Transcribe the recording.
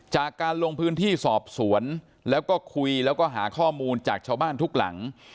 จากการลงพื้นที่สอบสวนแล้วก็คุยแล้วก็หาข้อมูลจากชาวบ้านทุกหลัง